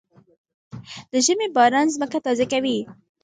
د ژمي باران ځمکه تازه کوي.